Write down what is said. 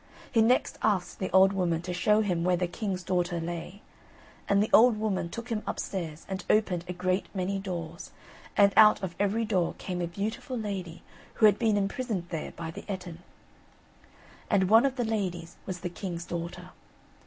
He next asked the old woman to show him where the king's daughter lay; and the old woman took him upstairs, and opened a great many doors, and out of every door came a beautiful lady who had been imprisoned there by the Ettin; and one of the ladies was the king's daughter.